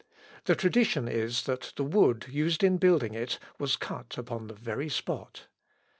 The tradition is, that the wood used in building it was cut upon the very spot.